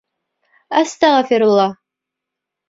Әстәғәфирулла.